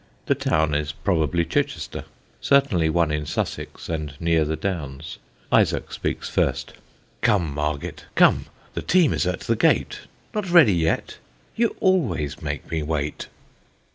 The town is probably Chichester certainly one in Sussex and near the Downs. Isaac speaks first: Come! Marget, come! the team is at the gate! Not ready yet! you always make me wait!